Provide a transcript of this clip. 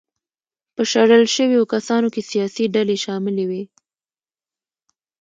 په شړل شویو کسانو کې سیاسي ډلې شاملې وې.